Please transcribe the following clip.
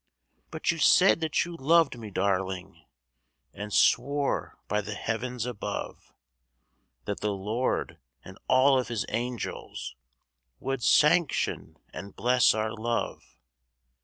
But you said that you loved me, darling, And swore by the heavens above That the Lord and all of His angels Would sanction and bless our love.